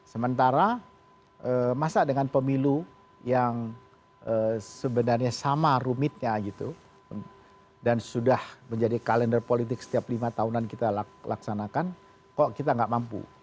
sementara masa dengan pemilu yang sebenarnya sama rumitnya gitu dan sudah menjadi kalender politik setiap lima tahunan kita laksanakan kok kita nggak mampu